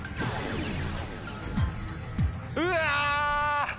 うわ！